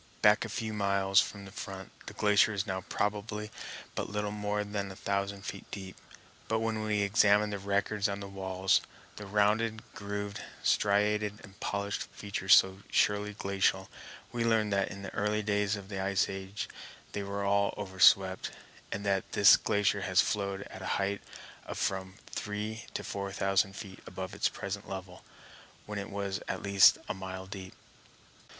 Back a few miles from the front, the glacier is now probably but little more than a thousand feet deep; but when we examine the records on the walls, the rounded, grooved, striated, and polished features so surely glacial, we learn that in the earlier days of the ice age they were all over swept, and that this glacier has flowed at a height of from three to four thousand feet above its present level, when it was at least a mile deep.